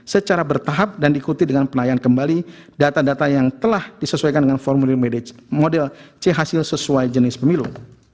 secara bertahap dan diikuti dengan penayan kembali data data yang telah disesuaikan dengan formulir model c hasil sesuai jenis pemilu